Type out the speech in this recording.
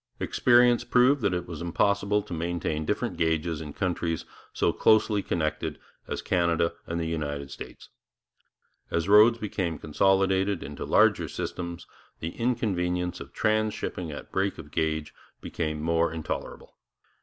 Experience proved that it was impossible to maintain different gauges in countries so closely connected as Canada and the United States. As roads became consolidated into larger systems, the inconvenience of transhipping at break of gauge became more intolerable.